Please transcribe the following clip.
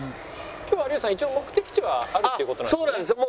今日有吉さん一応目的地はあるっていう事なんですよね？